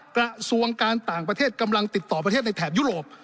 กระทรวงการต่างประเทศกำลังติดต่อประเทศในแถบยุโรป